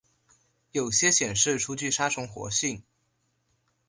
有些显示出具杀虫活性。